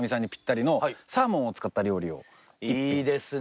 いいですね。